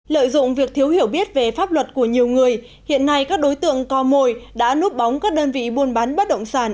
lợi dụng việc thiếu hiểu biết về pháp luật của nhiều người hiện nay các đối tượng co mồi đã núp bóng các đơn vị buôn bán bất động sản